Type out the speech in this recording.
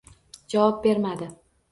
Javob bermadi